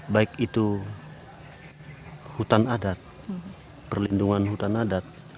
baik itu hutan adat perlindungan hutan adat